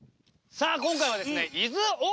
さあ今回はですね